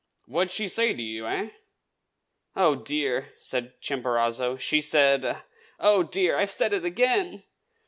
What did she say to you, eh?" "Oh, dear!" said Chimborazo, "she said oh, dear! I've said it again!"